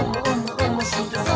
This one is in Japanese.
おもしろそう！」